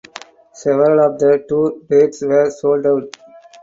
Several of the tour dates were sold out.